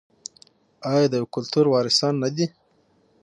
آیا د یو کلتور وارثان نه دي؟